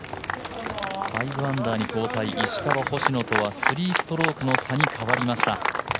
５アンダーに交代石川、星野とは３ストローク差にかわりました。